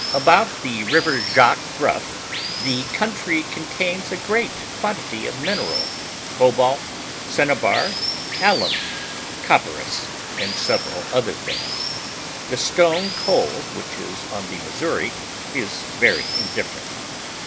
"A/bout the river Jacque Bruff the country contains a great quantity of mineral, cobalt, cinabar, alum, copperas, and several other things; the stone coal which is on the Mis souri is very indifferent.